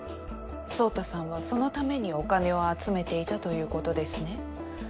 宗太さんはそのためにお金を集めていたということですね。